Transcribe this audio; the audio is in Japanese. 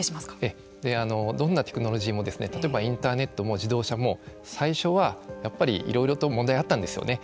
どんなテクノロジーも例えばインターネットも自動車も最初はやっぱりいろいろと問題があったんですよね。